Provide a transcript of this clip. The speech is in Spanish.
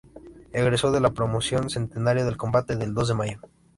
Egresó en la Promoción "Centenario del Combate del Dos de Mayo".